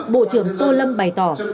bộ trưởng tô lâm bày tỏ